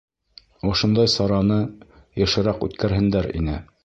— Ошондай сараны йышыраҡ үткәрһендәр ине.